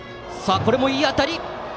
これもいい当たり！